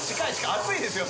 熱いですよ